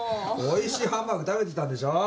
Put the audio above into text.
おいしいハンバーグ食べてきたんでしょう？